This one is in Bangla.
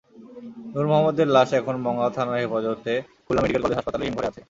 নূর মোহাম্মদের লাশ এখন মংলা থানার হেফাজতে খুলনা মেডিকেল কলেজ হাসপাতালের হিমঘরে আছে।